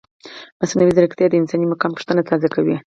مصنوعي ځیرکتیا د انساني مقام پوښتنه تازه کوي.